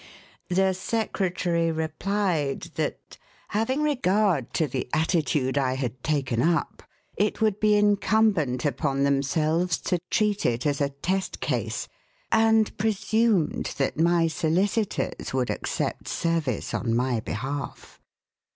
The secretary replied that, having regard to the attitude I had taken up, it would be incumbent upon themselves to treat it as a test case, and presumed that my solicitors would accept service on my behalf.